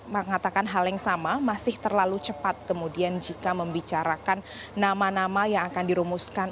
mengatakan hal yang sama masih terlalu cepat kemudian jika membicarakan nama nama yang akan dirumuskan